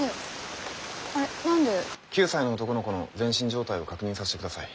９歳の男の子の全身状態を確認させてください。